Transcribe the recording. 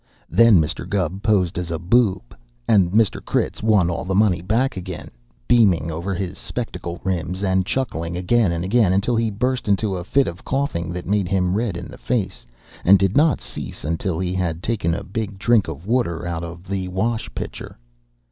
Then Mr. Gubb posed as a "boob" and Mr. Critz won all the money back again, beaming over his spectacle rims, and chuckling again and again until he burst into a fit of coughing that made him red in the face, and did not cease until he had taken a big drink of water out of the wash pitcher.